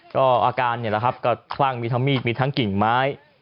ก็อาการนะครับคลั่งมีทั้งมีดมีทั้งกิ่งไม้